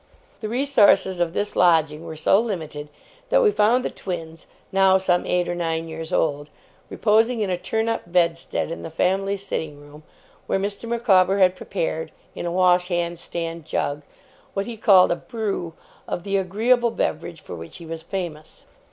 The resources of this lodging were so limited, that we found the twins, now some eight or nine years old, reposing in a turn up bedstead in the family sitting room, where Mr. Micawber had prepared, in a wash hand stand jug, what he called 'a Brew' of the agreeable beverage for which he was famous.